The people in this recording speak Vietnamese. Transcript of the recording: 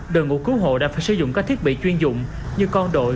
đội ngũ cứu hộ đã phải sử dụng các thiết bị chuyên dụng như con đội